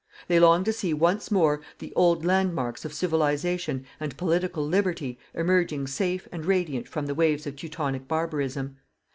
They long to see once more the old landmarks of Civilization and Political Liberty emerging safe and radiant from the waves of Teutonic Barbarism.